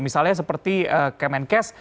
misalnya seperti kemenkes